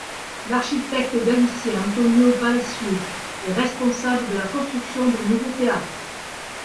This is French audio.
L'architecte galicien Antonio Palacios est responsable de la construction d'un nouveau théâtre.